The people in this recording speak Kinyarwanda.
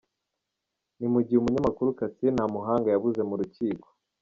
Ni mu gihe umunyamakuru Cassien Ntamuhanga we yabuze mu rukiko.